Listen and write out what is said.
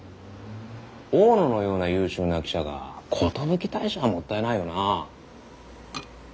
大野のような優秀な記者が寿退社はもったいないよなぁ。